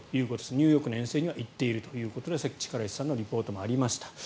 ニューヨークの遠征には行っていると力石さんのリポートにもありました。